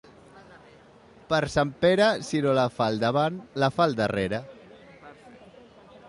Per Sant Pere, si no la fa al davant, la fa al darrere.